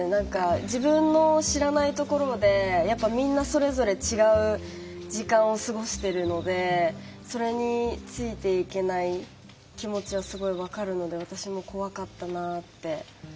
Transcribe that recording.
自分の知らないところでみんなそれぞれ違う時間を過ごしてるのでそれについていけない気持ちはすごい分かるので私も怖かったなって思います。